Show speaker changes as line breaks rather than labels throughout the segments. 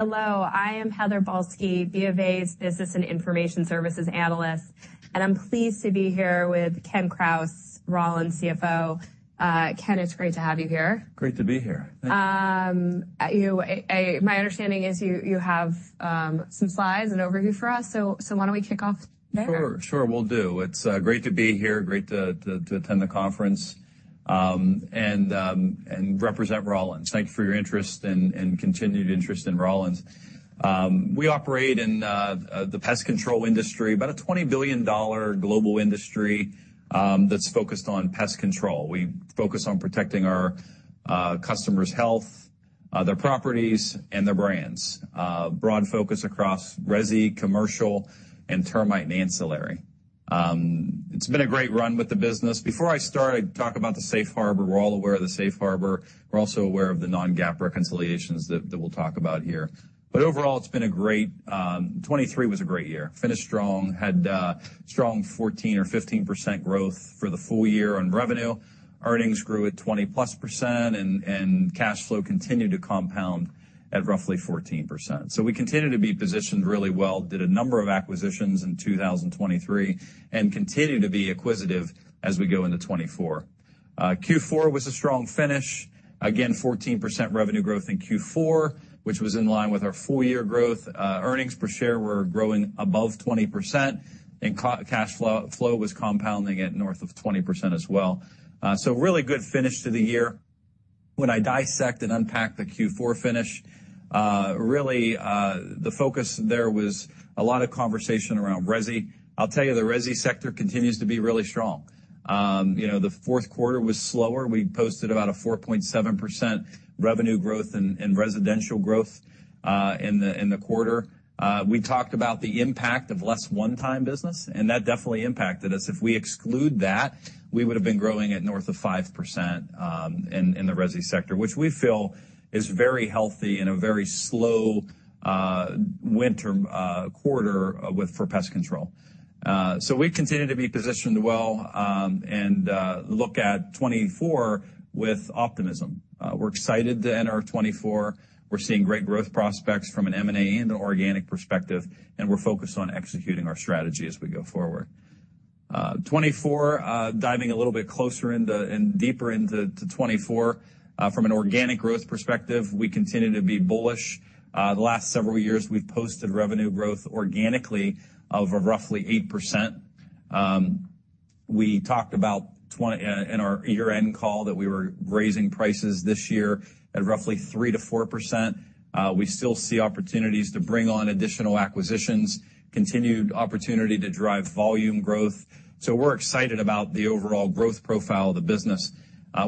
Hello, I am Heather Balsky, BofA's Business and Information Services Analyst, and I'm pleased to be here with Ken Krause, Rollins CFO. Ken, it's great to have you here.
Great to be here.
My understanding is you have some slides and overview for us, so why don't we kick off there?
Sure, sure, will do. It's great to be here, great to attend the conference, and represent Rollins. Thank you for your interest and continued interest in Rollins. We operate in the pest control industry, about a $20 billion global industry, that's focused on pest control. We focus on protecting our customers' health, their properties, and their brands. Broad focus across resi, commercial, and termite and ancillary. It's been a great run with the business. Before I start, I talk about the safe harbor. We're all aware of the safe harbor. We're also aware of the non-GAAP reconciliations that we'll talk about here. But overall, it's been a great. 2023 was a great year. Finished strong, had strong 14% or 15% growth for the full year on revenue. Earnings grew at 20+% and cash flow continued to compound at roughly 14%. So we continued to be positioned really well, did a number of acquisitions in 2023, and continued to be acquisitive as we go into 2024. Q4 was a strong finish. Again, 14% revenue growth in Q4, which was in line with our full year growth. Earnings per share were growing above 20%, and cash flow was compounding at north of 20% as well. So really good finish to the year. When I dissect and unpack the Q4 finish, really, the focus there was a lot of conversation around resi. I'll tell you, the resi sector continues to be really strong. You know, the fourth quarter was slower. We posted about a 4.7% revenue growth in residential growth in the quarter. We talked about the impact of less one-time business, and that definitely impacted us. If we exclude that, we would've been growing at north of 5% in the resi sector, which we feel is very healthy in a very slow winter quarter for pest control. So we continue to be positioned well and look at 2024 with optimism. We're excited to enter 2024. We're seeing great growth prospects from an M&A and an organic perspective, and we're focused on executing our strategy as we go forward. 2024, diving a little bit closer into and deeper into 2024. From an organic growth perspective, we continue to be bullish. The last several years, we've posted revenue growth organically of roughly 8%. We talked about in our year-end call that we were raising prices this year at roughly 3%-4%. We still see opportunities to bring on additional acquisitions, continued opportunity to drive volume growth. So we're excited about the overall growth profile of the business.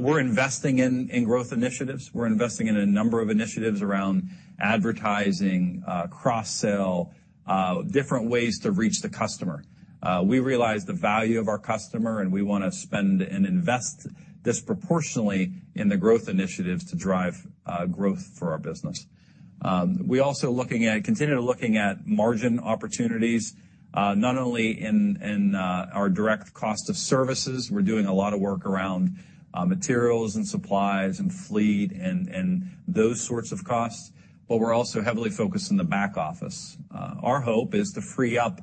We're investing in growth initiatives. We're investing in a number of initiatives around advertising, cross-sell, different ways to reach the customer. We realize the value of our customer, and we wanna spend and invest disproportionately in the growth initiatives to drive growth for our business. We're also continuing to look at margin opportunities, not only in our direct cost of services. We're doing a lot of work around materials and supplies and fleet and those sorts of costs, but we're also heavily focused in the back office. Our hope is to free up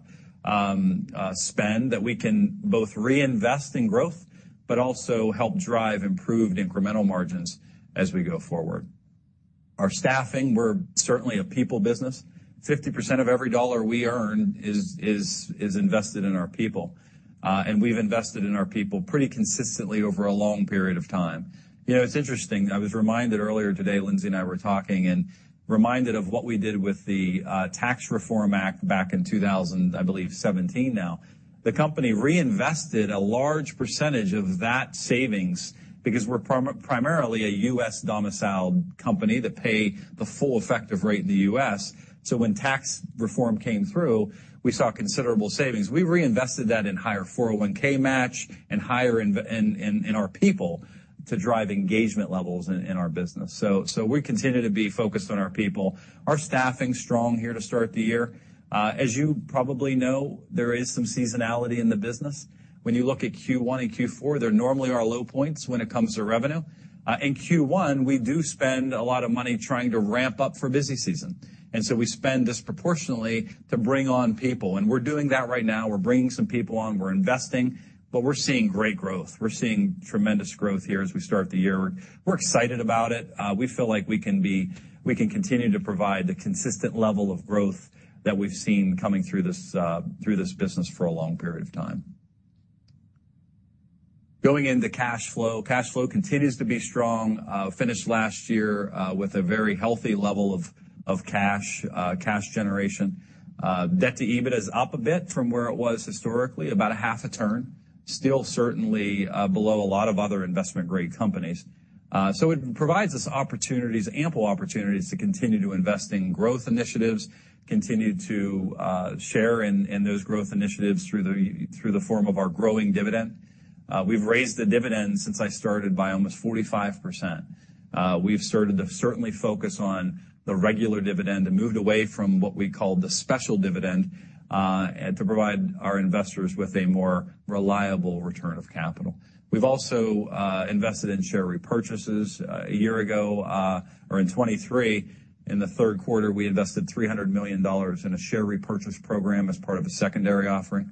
spend that we can both reinvest in growth, but also help drive improved incremental margins as we go forward. Our staffing, we're certainly a people business. 50% of every dollar we earn is invested in our people, and we've invested in our people pretty consistently over a long period of time. You know, it's interesting, I was reminded earlier today, Lindsay and I were talking and reminded of what we did with the Tax Reform Act back in 2017 now. The company reinvested a large percentage of that savings because we're primarily a U.S.-domiciled company that pay the full effective rate in the U.S. So when tax reform came through, we saw considerable savings. We reinvested that in higher 401(k) match and higher investment in our people to drive engagement levels in our business. So we continue to be focused on our people. Our staffing's strong here to start the year. As you probably know, there is some seasonality in the business. When you look at Q1 and Q4, they normally are our low points when it comes to revenue. In Q1, we do spend a lot of money trying to ramp up for busy season, and so we spend disproportionately to bring on people, and we're doing that right now. We're bringing some people on, we're investing, but we're seeing great growth. We're seeing tremendous growth here as we start the year. We're excited about it. We feel like we can continue to provide the consistent level of growth that we've seen coming through this, through this business for a long period of time. Going into cash flow. Cash flow continues to be strong, finished last year with a very healthy level of cash generation. Debt to EBITDA is up a bit from where it was historically, about 0.5 turn. Still certainly below a lot of other investment-grade companies. So it provides us opportunities, ample opportunities to continue to invest in growth initiatives, continue to share in those growth initiatives through the form of our growing dividend. We've raised the dividend since I started by almost 45%. We've started to certainly focus on the regular dividend and moved away from what we call the special dividend, to provide our investors with a more reliable return of capital. We've also invested in share repurchases. A year ago, or in 2023, in the third quarter, we invested $300 million in a share repurchase program as part of a secondary offering.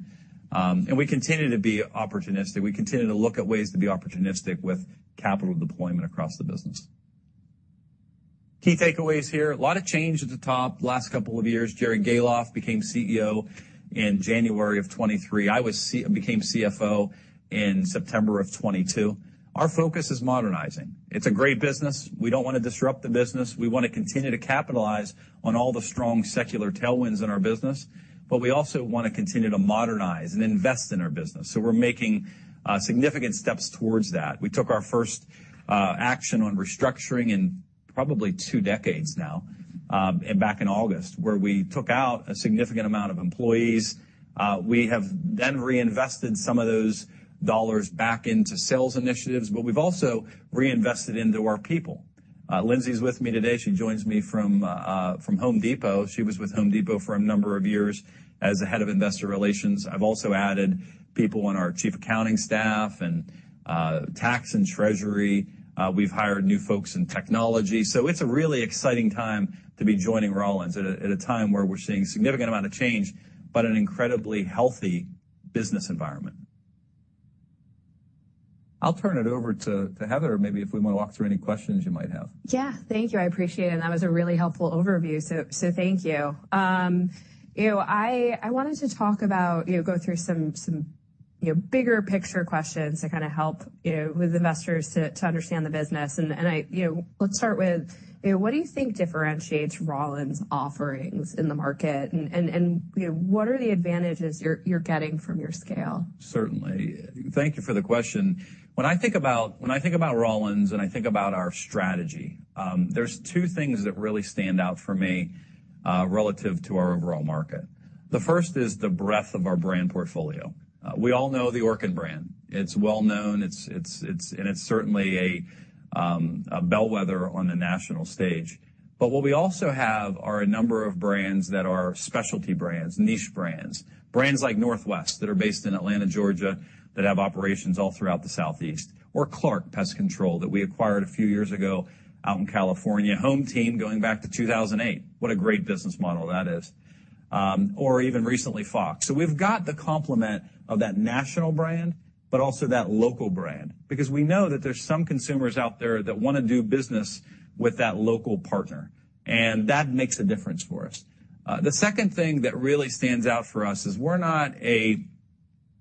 And we continue to be opportunistic. We continue to look at ways to be opportunistic with capital deployment across the business. Key takeaways here. A lot of change at the top last couple of years. Jerry Gahlhoff became CEO in January of 2023. I became CFO in September of 2022. Our focus is modernizing. It's a great business. We don't want to disrupt the business. We want to continue to capitalize on all the strong secular tailwinds in our business, but we also want to continue to modernize and invest in our business. So we're making significant steps towards that. We took our first action on restructuring in probably two decades now, back in August, where we took out a significant amount of employees. We have then reinvested some of those dollars back into sales initiatives, but we've also reinvested into our people. Lyndsey's with me today. She joins me from Home Depot. She was with Home Depot for a number of years as the head of investor relations. I've also added people on our chief accounting staff and tax and treasury. We've hired new folks in technology, so it's a really exciting time to be joining Rollins at a time where we're seeing a significant amount of change, but an incredibly healthy business environment. I'll turn it over to Heather, maybe if we want to walk through any questions you might have.
Yeah, thank you. I appreciate it, and that was a really helpful overview. So thank you. You know, I wanted to talk about, you know, go through some bigger picture questions to kind of help, you know, with investors to understand the business. You know, let's start with, you know, what do you think differentiates Rollins offerings in the market? And you know, what are the advantages you're getting from your scale?
Certainly. Thank you for the question. When I think about Rollins and I think about our strategy, there's two things that really stand out for me relative to our overall market. The first is the breadth of our brand portfolio. We all know the Orkin brand. It's well-known, and it's certainly a bellwether on the national stage. But what we also have are a number of brands that are specialty brands, niche brands. Brands like Northwest, that are based in Atlanta, Georgia, that have operations all throughout the Southeast, or Clark Pest Control that we acquired a few years ago out in California. HomeTeam, going back to 2008. What a great business model that is. Or even recently, Fox. So we've got the complement of that national brand, but also that local brand, because we know that there's some consumers out there that wanna do business with that local partner, and that makes a difference for us. The second thing that really stands out for us is we're not a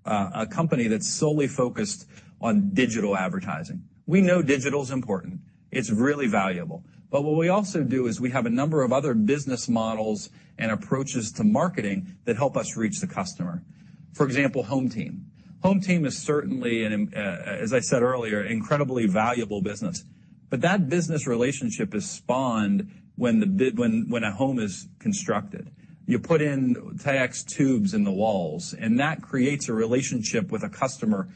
company that's solely focused on digital advertising. We know digital is important. It's really valuable. But what we also do is we have a number of other business models and approaches to marketing that help us reach the customer. For example, HomeTeam. HomeTeam is certainly, and, as I said earlier, incredibly valuable business, but that business relationship is spawned when a home is constructed. You put in Taexx tubes in the walls, and that creates a relationship with a customer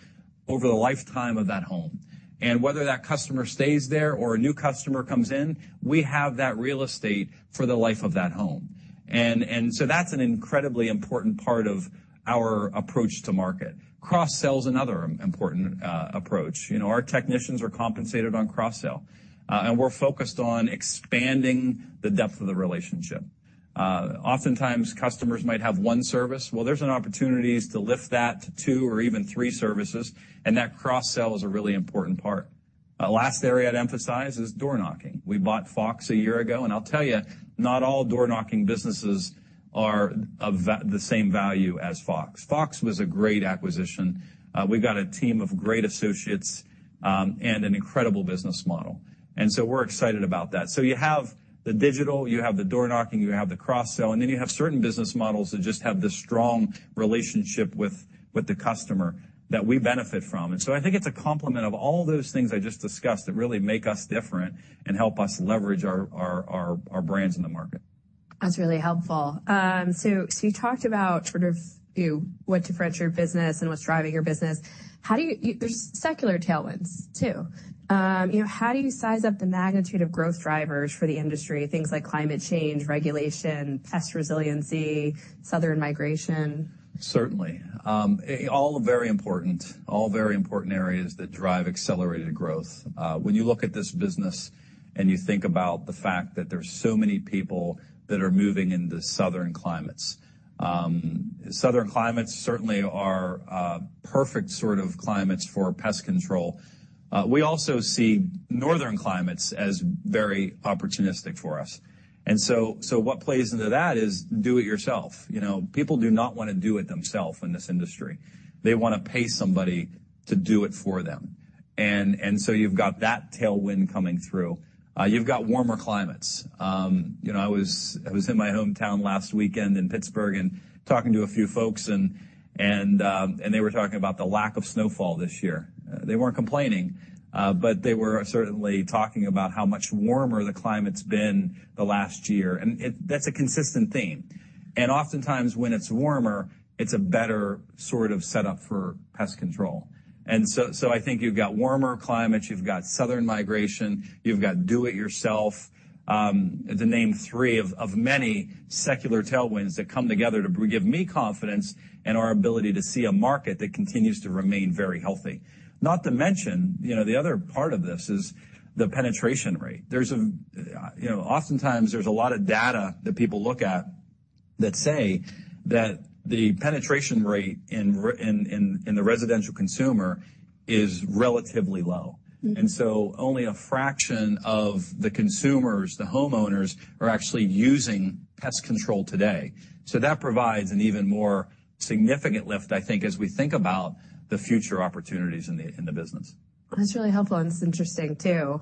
over the lifetime of that home. And whether that customer stays there or a new customer comes in, we have that real estate for the life of that home. And so that's an incredibly important part of our approach to market. Cross-sell is another important approach. You know, our technicians are compensated on cross-sell, and we're focused on expanding the depth of the relationship. Oftentimes, customers might have one service. Well, there's an opportunity to lift that to two or even three services, and that cross-sell is a really important part. Last area I'd emphasize is door knocking. We bought Fox a year ago, and I'll tell you, not all door-knocking businesses are of the same value as Fox. Fox was a great acquisition. We got a team of great associates, and an incredible business model, and so we're excited about that. So you have the digital, you have the door knocking, you have the cross-sell, and then you have certain business models that just have this strong relationship with the customer that we benefit from. And so I think it's a complement of all those things I just discussed that really make us different and help us leverage our brands in the market.
That's really helpful. So, so you talked about sort of, you know, what differentiates your business and what's driving your business. How do you... There's secular tailwinds, too. You know, how do you size up the magnitude of growth drivers for the industry? Things like climate change, regulation, pest resiliency, southern migration.
Certainly. All very important. All very important areas that drive accelerated growth. When you look at this business and you think about the fact that there's so many people that are moving into southern climates. Southern climates certainly are perfect sort of climates for pest control. We also see northern climates as very opportunistic for us. And so what plays into that is do it yourself. You know, people do not want to do it themselves in this industry. They want to pay somebody to do it for them. And so you've got that tailwind coming through. You've got warmer climates. You know, I was in my hometown last weekend in Pittsburgh and talking to a few folks and they were talking about the lack of snowfall this year. They weren't complaining, but they were certainly talking about how much warmer the climate's been the last year, and that's a consistent theme. Oftentimes, when it's warmer, it's a better sort of setup for pest control. So I think you've got warmer climates, you've got southern migration, you've got do-it-yourself, to name three of many secular tailwinds that come together to give me confidence in our ability to see a market that continues to remain very healthy. Not to mention, you know, the other part of this is the penetration rate. There's a, you know, oftentimes there's a lot of data that people look at that say that the penetration rate in the residential consumer is relatively low. So only a fraction of the consumers, the homeowners, are actually using pest control today. So that provides an even more significant lift, I think, as we think about the future opportunities in the, in the business.
That's really helpful, and it's interesting, too.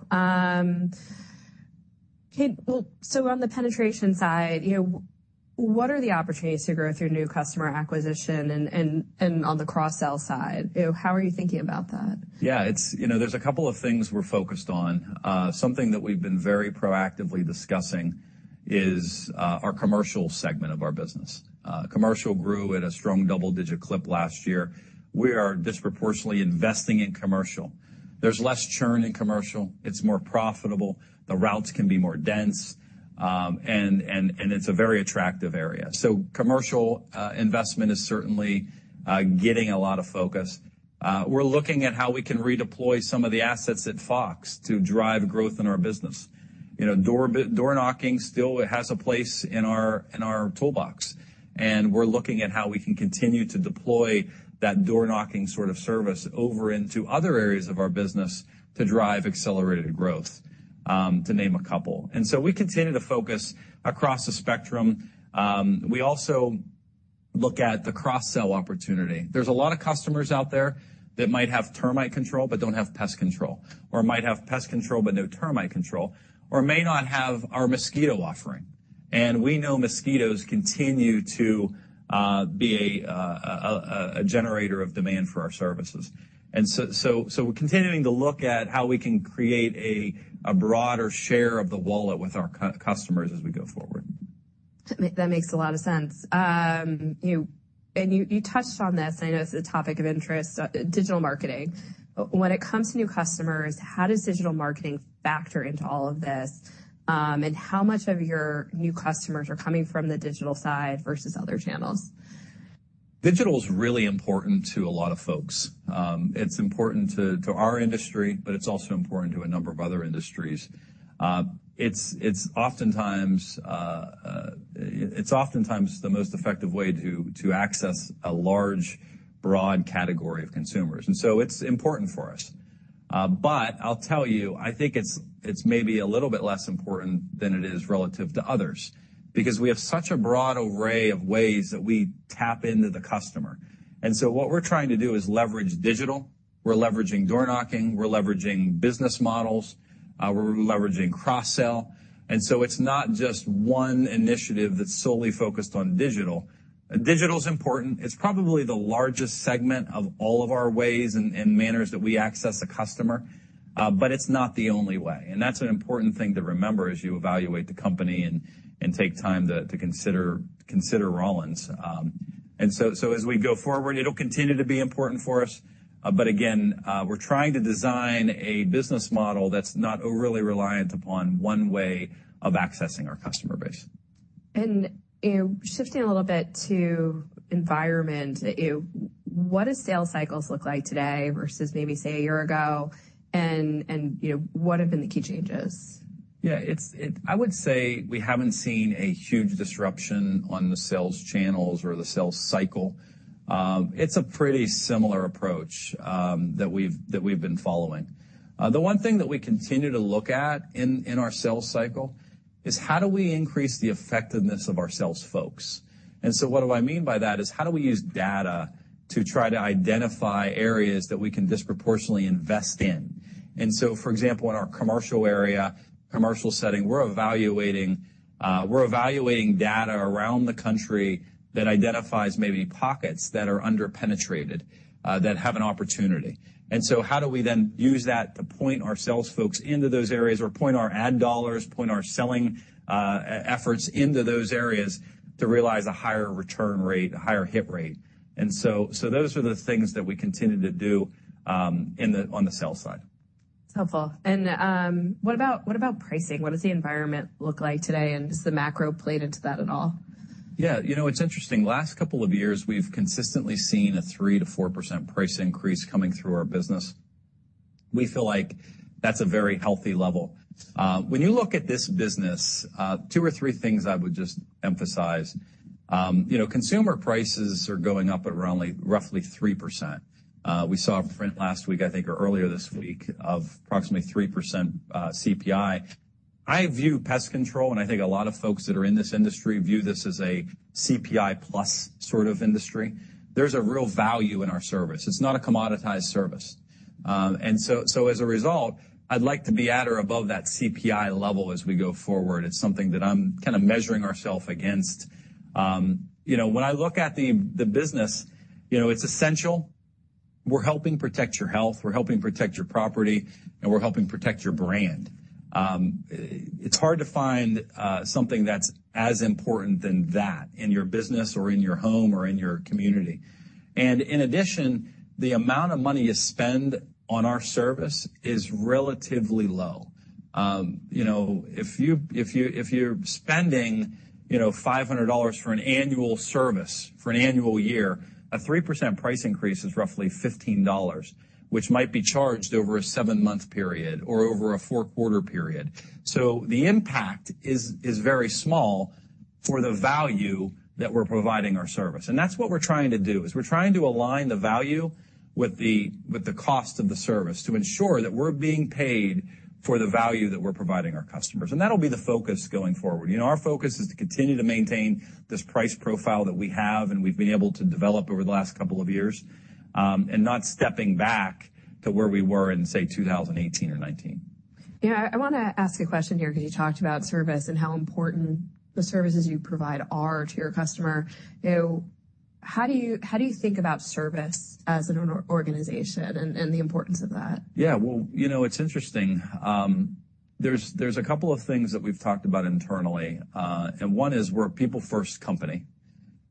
Okay, well, so on the penetration side, you know, what are the opportunities to grow through new customer acquisition and on the cross-sell side? How are you thinking about that?
Yeah, it's, you know, there's a couple of things we're focused on. Something that we've been very proactively discussing is our commercial segment of our business. Commercial grew at a strong double-digit clip last year. We are disproportionately investing in commercial. There's less churn in commercial. It's more profitable. The routes can be more dense, and it's a very attractive area. So commercial investment is certainly getting a lot of focus. We're looking at how we can redeploy some of the assets at Fox to drive growth in our business. You know, door-to-door knocking still has a place in our toolbox, and we're looking at how we can continue to deploy that door-knocking sort of service over into other areas of our business to drive accelerated growth, to name a couple. And so we continue to focus across the spectrum. We also look at the cross-sell opportunity. There's a lot of customers out there that might have termite control but don't have pest control, or might have pest control but no termite control, or may not have our mosquito offering. And we know mosquitoes continue to be a generator of demand for our services. And so we're continuing to look at how we can create a broader share of the wallet with our customers as we go forward.
That makes a lot of sense. And you touched on this, and I know it's a topic of interest, digital marketing. When it comes to new customers, how does digital marketing factor into all of this? And how much of your new customers are coming from the digital side versus other channels?
Digital is really important to a lot of folks. It's important to our industry, but it's also important to a number of other industries. It's oftentimes the most effective way to access a large, broad category of consumers, and so it's important for us. But I'll tell you, I think it's maybe a little bit less important than it is relative to others because we have such a broad array of ways that we tap into the customer. And so what we're trying to do is leverage digital, we're leveraging door knocking, we're leveraging business models, we're leveraging cross-sell. And so it's not just one initiative that's solely focused on digital. Digital is important. It's probably the largest segment of all of our ways and manners that we access a customer, but it's not the only way, and that's an important thing to remember as you evaluate the company and take time to consider Rollins. So as we go forward, it'll continue to be important for us. But again, we're trying to design a business model that's not overly reliant upon one way of accessing our customer base.
You know, shifting a little bit to environment, you know, what does sales cycles look like today versus maybe, say, a year ago? And, you know, what have been the key changes?
Yeah, it's. I would say we haven't seen a huge disruption on the sales channels or the sales cycle. It's a pretty similar approach that we've been following. The one thing that we continue to look at in our sales cycle is how do we increase the effectiveness of our sales folks? And so what do I mean by that is, how do we use data to try to identify areas that we can disproportionately invest in? And so, for example, in our commercial area, commercial setting, we're evaluating data around the country that identifies maybe pockets that are under-penetrated that have an opportunity. So how do we then use that to point our sales folks into those areas or point our ad dollars, point our selling, efforts into those areas to realize a higher return rate, a higher hit rate? So those are the things that we continue to do on the sales side.
Helpful. What about, what about pricing? What does the environment look like today, and does the macro play into that at all?
Yeah, you know, it's interesting. Last couple of years, we've consistently seen a 3%-4% price increase coming through our business. We feel like that's a very healthy level. When you look at this business, two or three things I would just emphasize. You know, consumer prices are going up at around only roughly 3%. We saw a print last week, I think, or earlier this week, of approximately 3%, CPI. I view pest control, and I think a lot of folks that are in this industry view this as a CPI plus sort of industry. There's a real value in our service. It's not a commoditized service. And so, so as a result, I'd like to be at or above that CPI level as we go forward. It's something that I'm kind of measuring ourself against. You know, when I look at the business, you know, it's essential.... We're helping protect your health, we're helping protect your property, and we're helping protect your brand. It's hard to find something that's as important than that in your business or in your home or in your community. And in addition, the amount of money you spend on our service is relatively low. You know, if you're spending, you know, $500 for an annual service, for an annual year, a 3% price increase is roughly $15, which might be charged over a 7-month period or over a 4-quarter period. So the impact is very small for the value that we're providing our service. That's what we're trying to do is: we're trying to align the value with the cost of the service to ensure that we're being paid for the value that we're providing our customers. That'll be the focus going forward. Our focus is to continue to maintain this price profile that we have, and we've been able to develop over the last couple of years, and not stepping back to where we were in, say, 2018 or 2019.
Yeah, I want to ask a question here, because you talked about service and how important the services you provide are to your customer. How do you, how do you think about service as an organization and, and the importance of that?
Yeah, well, you know, it's interesting. There's a couple of things that we've talked about internally, and one is we're a people-first company,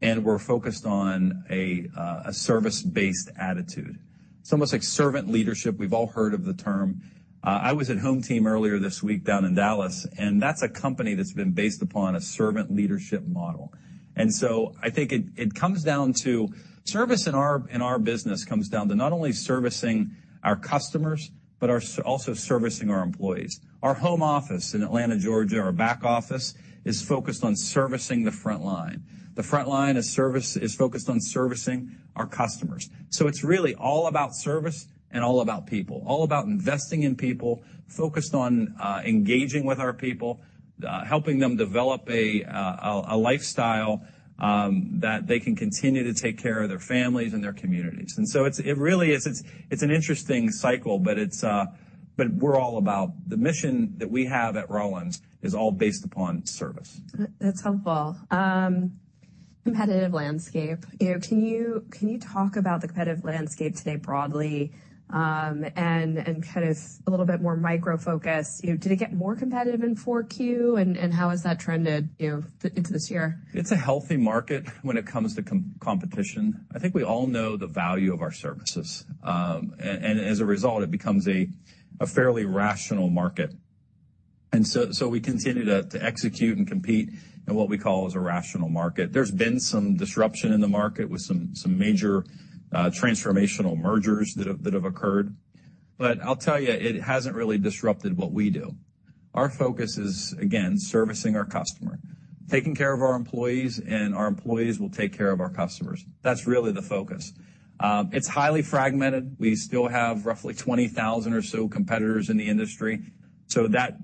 and we're focused on a service-based attitude. It's almost like servant leadership. We've all heard of the term. I was at HomeTeam earlier this week down in Dallas, and that's a company that's been based upon a servant leadership model. And so I think it comes down to service in our business comes down to not only servicing our customers, but also servicing our employees. Our home office in Atlanta, Georgia, our back office, is focused on servicing the front line. The front line of service is focused on servicing our customers. So it's really all about service and all about people. All about investing in people, focused on engaging with our people, helping them develop a lifestyle that they can continue to take care of their families and their communities. And so it really is. It's an interesting cycle, but we're all about the mission that we have at Rollins is all based upon service.
That's helpful. Competitive landscape. Can you talk about the competitive landscape today broadly, and kind of a little bit more micro-focused? Did it get more competitive in 4Q, and how has that trended, you know, into this year?
It's a healthy market when it comes to competition. I think we all know the value of our services. And as a result, it becomes a fairly rational market. And so we continue to execute and compete in what we call a rational market. There's been some disruption in the market with some major transformational mergers that have occurred. But I'll tell you, it hasn't really disrupted what we do. Our focus is, again, servicing our customer, taking care of our employees, and our employees will take care of our customers. That's really the focus. It's highly fragmented. We still have roughly 20,000 or so competitors in the industry, so that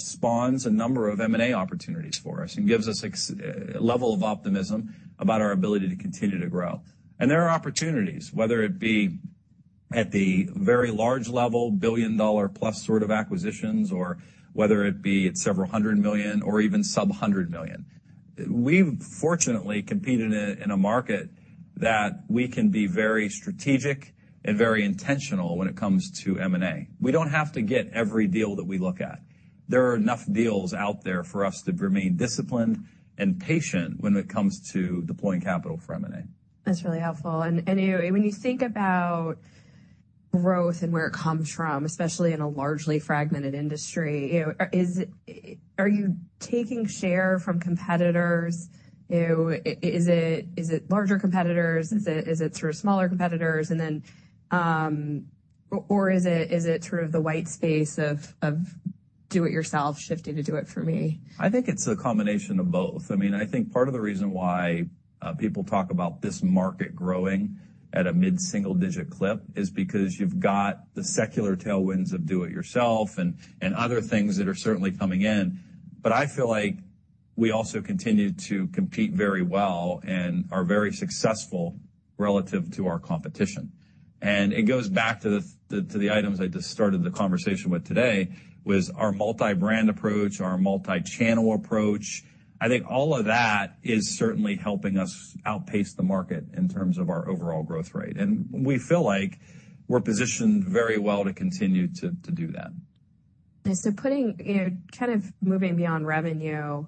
spawns a number of M&A opportunities for us and gives us a level of optimism about our ability to continue to grow. There are opportunities, whether it be at the very large level, billion-dollar plus sort of acquisitions, or whether it be at several hundred million or even sub-hundred million. We've fortunately competed in a market that we can be very strategic and very intentional when it comes to M&A. We don't have to get every deal that we look at. There are enough deals out there for us to remain disciplined and patient when it comes to deploying capital for M&A.
That's really helpful. And when you think about growth and where it comes from, especially in a largely fragmented industry, you know, is it, are you taking share from competitors? You know, is it, is it larger competitors? Is it, is it through smaller competitors? And then, or is it, is it sort of the white space of do it yourself, shifting to do it for me?
I think it's a combination of both. I mean, I think part of the reason why people talk about this market growing at a mid-single-digit clip is because you've got the secular tailwinds of do it yourself and other things that are certainly coming in. But I feel like we also continue to compete very well and are very successful relative to our competition. And it goes back to the items I just started the conversation with today, was our multi-brand approach, our multi-channel approach. I think all of that is certainly helping us outpace the market in terms of our overall growth rate. And we feel like we're positioned very well to continue to do that.
Putting, you know, kind of moving beyond revenue,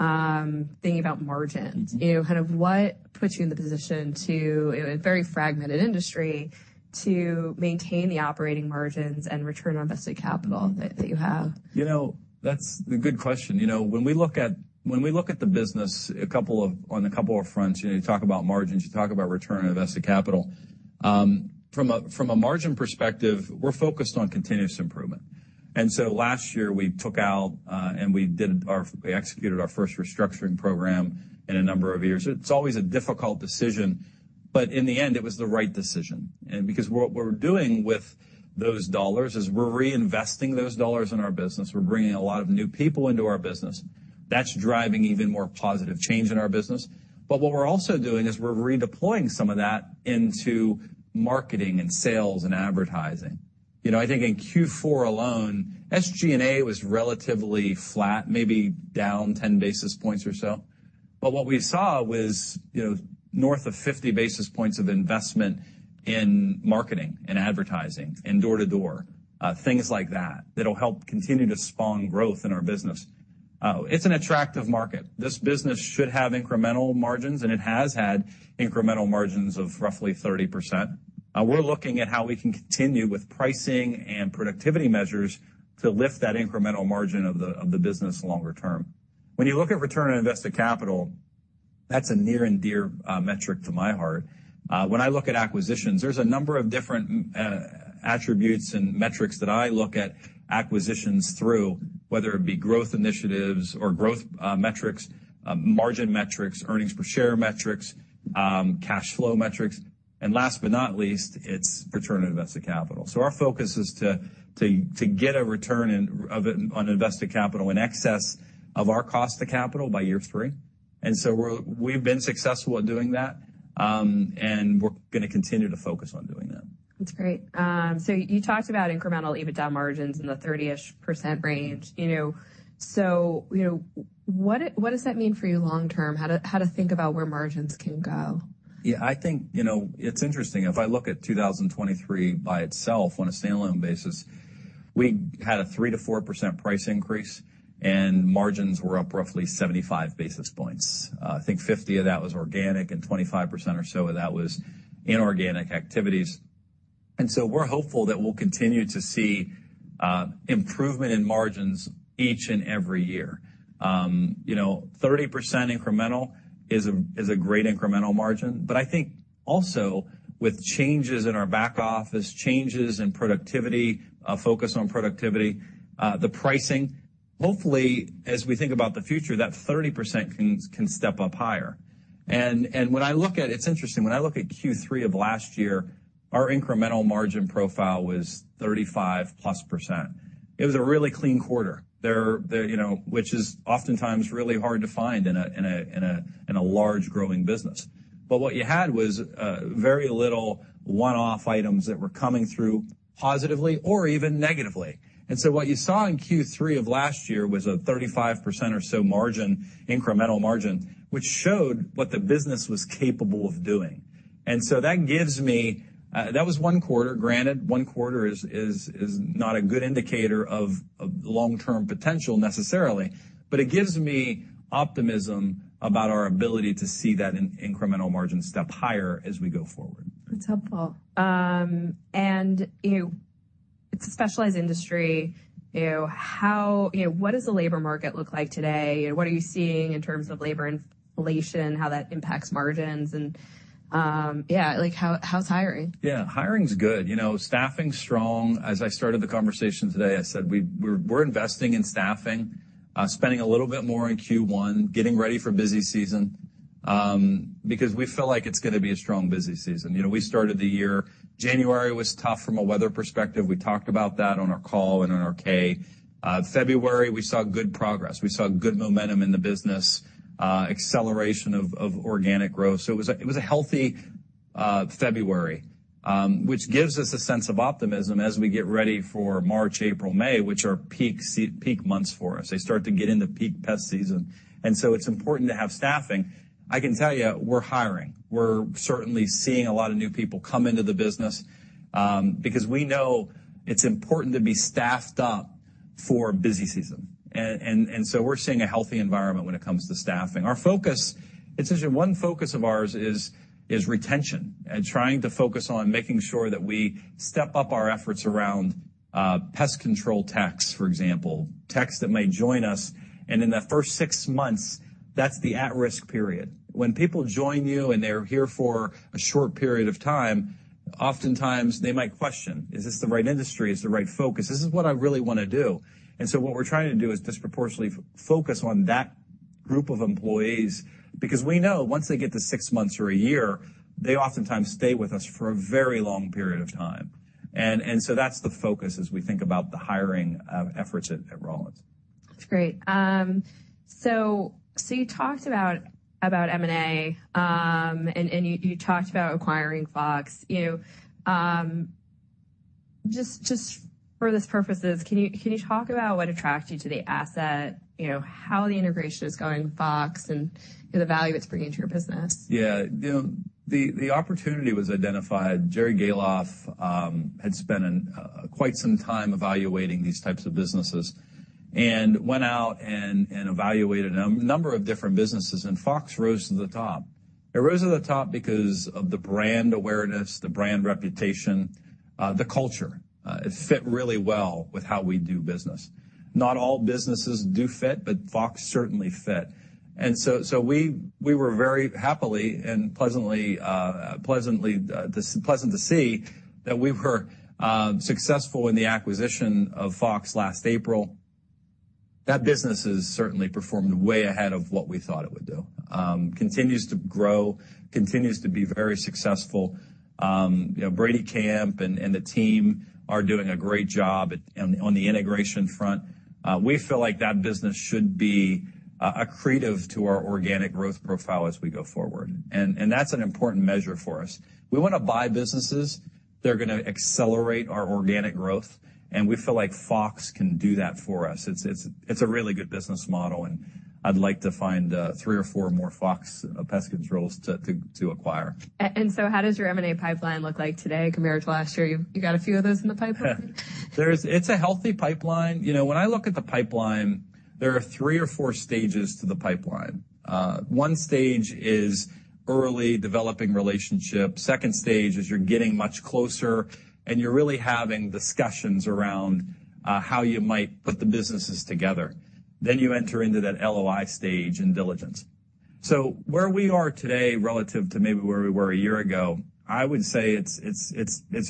thinking about margins, you know, kind of what puts you in the position to, in a very fragmented industry, to maintain the operating margins and return on invested capital that you have?
You know, that's a good question. You know, when we look at the business, on a couple of fronts, you know, you talk about margins, you talk about return on invested capital. From a margin perspective, we're focused on continuous improvement. And so last year, we executed our first restructuring program in a number of years. It's always a difficult decision, but in the end, it was the right decision. And because what we're doing with those dollars is we're reinvesting those dollars in our business. We're bringing a lot of new people into our business. That's driving even more positive change in our business. But what we're also doing is we're redeploying some of that into marketing and sales and advertising. You know, I think in Q4 alone, SG&A was relatively flat, maybe down 10 basis points or so. But what we saw was, you know, north of 50 basis points of investment in marketing and advertising and door-to-door, things like that, that'll help continue to spawn growth in our business. It's an attractive market. This business should have incremental margins, and it has had incremental margins of roughly 30%. We're looking at how we can continue with pricing and productivity measures to lift that incremental margin of the business longer term. When you look at return on invested capital, that's a near and dear metric to my heart. When I look at acquisitions, there's a number of different attributes and metrics that I look at acquisitions through, whether it be growth initiatives or growth metrics, margin metrics, earnings per share metrics, cash flow metrics, and last but not least, it's return on invested capital. So our focus is to get a return on invested capital in excess of our cost of capital by year three. And so we've been successful at doing that, and we're gonna continue to focus on doing that.
That's great. So you talked about incremental EBITDA margins in the 30-ish% range, you know, so, you know, what does that mean for you long term? How to think about where margins can go?
Yeah, I think, you know, it's interesting. If I look at 2023 by itself on a standalone basis, we had a 3%-4% price increase, and margins were up roughly 75 basis points. I think 50 of that was organic and 25% or so of that was inorganic activities. And so we're hopeful that we'll continue to see improvement in margins each and every year. You know, 30% incremental is a, is a great incremental margin. But I think also with changes in our back office, changes in productivity, focus on productivity, the pricing, hopefully, as we think about the future, that 30% can, can step up higher. And it's interesting, when I look at Q3 of last year, our incremental margin profile was 35%+. It was a really clean quarter. There, you know, which is oftentimes really hard to find in a large growing business. But what you had was very little one-off items that were coming through positively or even negatively. And so what you saw in Q3 of last year was a 35% or so margin, incremental margin, which showed what the business was capable of doing. And so that gives me... That was one quarter, granted. One quarter is not a good indicator of long-term potential necessarily, but it gives me optimism about our ability to see that incremental margin step higher as we go forward.
That's helpful. And, you know, it's a specialized industry, you know, how, you know, what does the labor market look like today? What are you seeing in terms of labor inflation, how that impacts margins? And, yeah, like, how, how's hiring?
Yeah, hiring's good, you know, staffing's strong. As I started the conversation today, I said, we're, we're investing in staffing, spending a little bit more in Q1, getting ready for busy season, because we feel like it's gonna be a strong, busy season. You know, we started the year. January was tough from a weather perspective. We talked about that on our call and on our K. February, we saw good progress. We saw good momentum in the business, acceleration of organic growth. So it was a healthy February, which gives us a sense of optimism as we get ready for March, April, May, which are peak months for us. They start to get into peak pest season, and so it's important to have staffing. I can tell you, we're hiring. We're certainly seeing a lot of new people come into the business, because we know it's important to be staffed up for busy season. And so we're seeing a healthy environment when it comes to staffing. Our focus, it's interesting, one focus of ours is retention and trying to focus on making sure that we step up our efforts around pest control techs, for example. Techs that may join us, and in that first six months, that's the at-risk period. When people join you, and they're here for a short period of time, oftentimes they might question: Is this the right industry? Is this the right focus? Is this what I really want to do? What we're trying to do is disproportionately focus on that group of employees, because we know once they get to six months or a year, they oftentimes stay with us for a very long period of time. And so that's the focus as we think about the hiring efforts at Rollins.
That's great. So, you talked about M&A, and you talked about acquiring Fox. You know, just for this purposes, can you talk about what attracted you to the asset, you know, how the integration is going with Fox, and, you know, the value it's bringing to your business?
Yeah. You know, the opportunity was identified. Jerry Gahlhoff had spent quite some time evaluating these types of businesses and went out and evaluated a number of different businesses, and Fox rose to the top. It rose to the top because of the brand awareness, the brand reputation, the culture. It fit really well with how we do business. Not all businesses do fit, but Fox certainly fit. And so we were very happily and pleasantly to see that we were successful in the acquisition of Fox last April. That business has certainly performed way ahead of what we thought it would do. Continues to grow, continues to be very successful. You know, Brady Camp and the team are doing a great job on the integration front. We feel like that business should be accretive to our organic growth profile as we go forward. And that's an important measure for us. We want to buy businesses. They're gonna accelerate our organic growth, and we feel like Fox can do that for us. It's a really good business model, and I'd like to find three or four more Fox Pest Controls to acquire.
And so how does your M&A pipeline look like today compared to last year? You've got a few of those in the pipeline?
It's a healthy pipeline. You know, when I look at the pipeline, there are three or four stages to the pipeline. One stage is early developing relationship. Second stage is you're getting much closer, and you're really having discussions around how you might put the businesses together. Then you enter into that LOI stage and diligence. So where we are today, relative to maybe where we were a year ago, I would say it's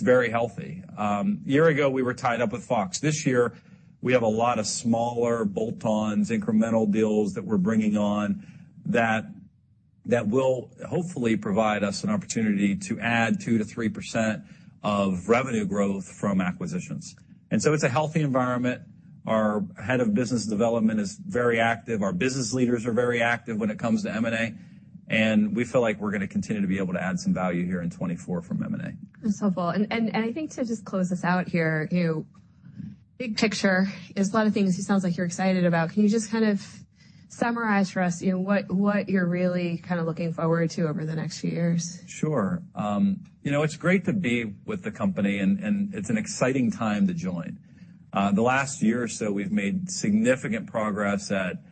very healthy. A year ago, we were tied up with Fox. This year, we have a lot of smaller bolt-ons, incremental deals that we're bringing on that will hopefully provide us an opportunity to add 2%-3% of revenue growth from acquisitions. And so it's a healthy environment. Our head of business development is very active. Our business leaders are very active when it comes to M&A, and we feel like we're gonna continue to be able to add some value here in 2024 from M&A.
That's helpful. And I think to just close this out here, you know, big picture, there's a lot of things it sounds like you're excited about. Can you just kind of summarize for us, you know, what you're really kind of looking forward to over the next few years?
Sure. You know, it's great to be with the company and, and it's an exciting time to join. The last year or so, we've made significant progress at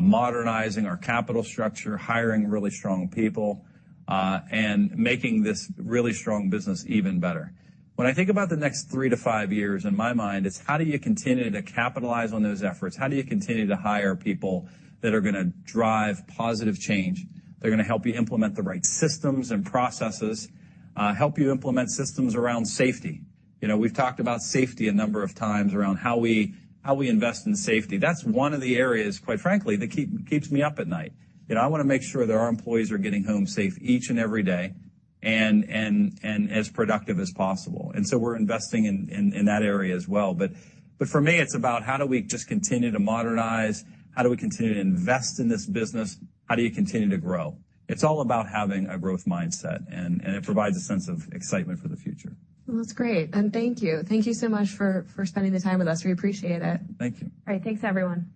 modernizing our capital structure, hiring really strong people, and making this really strong business even better. When I think about the next 3-5 years, in my mind, it's how do you continue to capitalize on those efforts? How do you continue to hire people that are gonna drive positive change, that are gonna help you implement the right systems and processes, help you implement systems around safety? You know, we've talked about safety a number of times, around how we, how we invest in safety. That's one of the areas, quite frankly, that keeps me up at night. You know, I wanna make sure that our employees are getting home safe each and every day, and as productive as possible. And so we're investing in that area as well. But for me, it's about how do we just continue to modernize? How do we continue to invest in this business? How do you continue to grow? It's all about having a growth mindset, and it provides a sense of excitement for the future.
Well, that's great, and thank you. Thank you so much for spending the time with us. We appreciate it.
Thank you.
All right. Thanks, everyone.